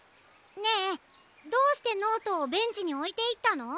ねえどうしてノートをベンチにおいていったの？